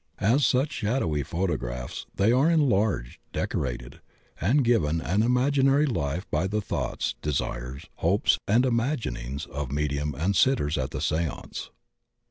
As such shadowy photographs they are enlarged, decorated, and given an imaginary life by the thoughts, desires, hopes, and imaginings of medium and sitters at the seance.